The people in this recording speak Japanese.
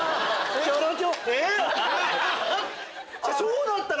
えっ⁉そうだったの？